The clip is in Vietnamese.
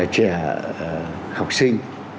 trẻ học sinh